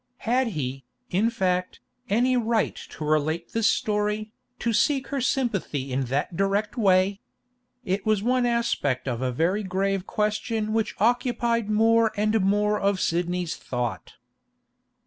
Had he, in fact, any right to relate this story, to seek her sympathy in that direct way? It was one aspect of a very grave question which occupied more and more of Sidney's thought.